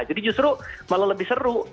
jadi justru malah lebih seru